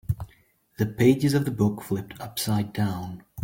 The pages of the book flipped upside down.